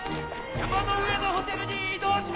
山の上のホテルに移動します！